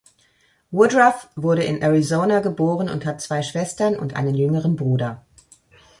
Woodruff wurde in Arizona geboren und hat zwei Schwestern und einen jüngeren Bruder.